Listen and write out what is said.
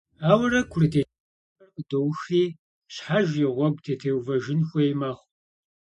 Ауэрэ курыт еджапӀэр къыдоухри, щхьэж и гъуэгу дытеувэжын хуей мэхъу.